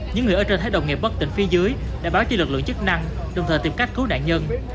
những người ở trên thấy đồng nghiệp bất tỉnh phía dưới đã báo cho lực lượng chức năng đồng thời tìm cách cứu nạn nhân